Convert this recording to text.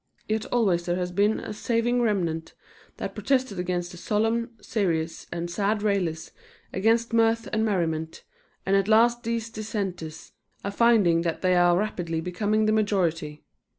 Yet always there has been a saving remnant that protested against the solemn, serious, and sad railers against mirth and merriment, and at last these dissenters are finding that they are rapidly becoming the majority.